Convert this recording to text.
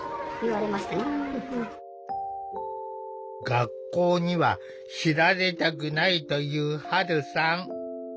学校には知られたくないというはるさん。